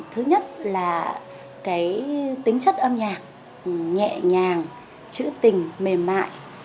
thứ nhất là cái tính chất âm nhạc nhẹ nhàng chữ tình mềm mại